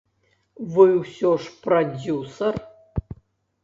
Вы ўсё ж прадзюсар.